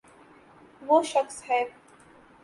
و ہ شخص ہے۔